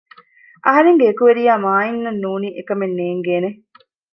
އަހަރެންގެ އެކުވެރިޔާ މާއިން އަށް ނޫނީ އެކަމެއް ނޭނގޭނެ